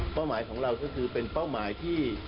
หมายของเราก็คือเป็นเป้าหมายที่